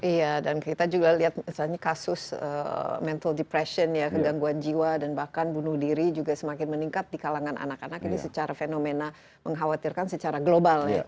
iya dan kita juga lihat misalnya kasus mental depression ya kegangguan jiwa dan bahkan bunuh diri juga semakin meningkat di kalangan anak anak ini secara fenomena mengkhawatirkan secara global ya